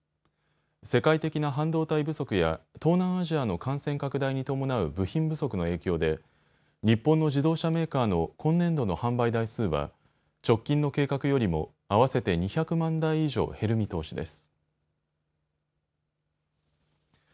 世界的な半導体不足や東南アジアの感染拡大に伴う部品不足の影響で日本の自動車メーカーの今年度の販売台数は直近の計画よりも合わせて２００万台以上減る見通しです。